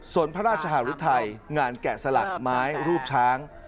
ส่วนพระราชหารุทัยงานแกะสลักไม้รูปช้าง